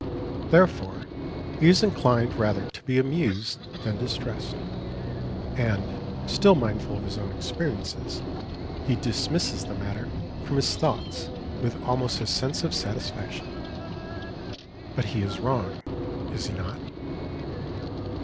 Therefore, he is inclined rather to be amused than distressed; and, still mindful of his own experiences, he dismisses the matter from his thoughts with almost a sense of satisfaction. But he is wrong: is he not?